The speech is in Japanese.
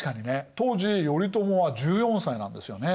当時頼朝は１４歳なんですよね。